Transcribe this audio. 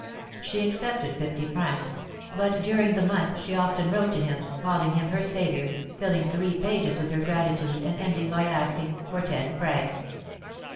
She accepted fifty francs, but during the month she often wrote to him, calling him her saviour, filling three pages with her gratitude, and ending by asking for ten francs.